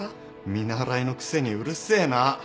見習いのくせにうるせえな。